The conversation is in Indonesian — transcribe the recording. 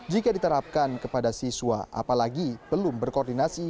jika diterapkan kepada siswa apalagi belum berkoordinasi